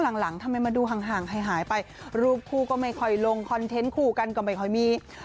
อย่างไรคู่นี้